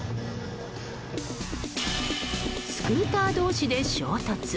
スクーター同士で衝突。